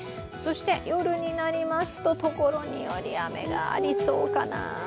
夜になりますと所により雨がありそうかな？